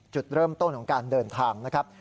จุดเริ่มต้นของการเดินทางนะครับ